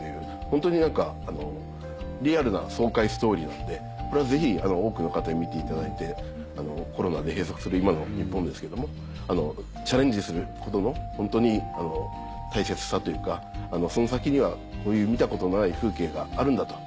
ホントに何かリアルな爽快ストーリーなのでこれはぜひ多くの方に見ていただいてコロナで閉そくする今の日本ですけれどもチャレンジすることのホントに大切さというかその先にはこういう見たことのない風景があるんだと。